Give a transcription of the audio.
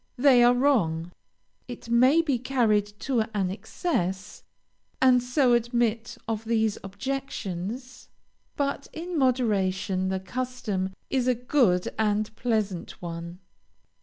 They are wrong. It may be carried to an excess, and so admit of these objections, but in moderation the custom is a good and pleasant one.